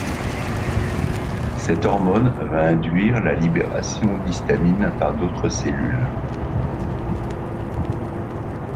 Cette hormone va induire la libération d'histamine par d'autres cellules.